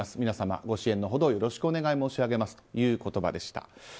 皆様、ご支援の程よろしくお願い申し上げますという言葉でした。